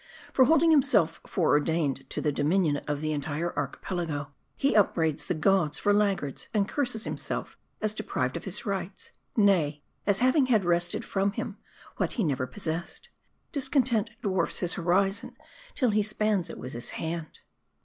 For holding himself foreordained to the domin ion of the entire Archipelago, he upbraids the gods for lag gards, and curses himself as deprived of his rights ; nay, as having had wrested from him, what he never possessed. Discontent dwarfs his horizon till he spans it with his hand.